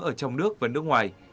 ở trong nước và nước ngoài